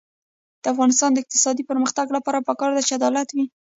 د افغانستان د اقتصادي پرمختګ لپاره پکار ده چې عدالت وي.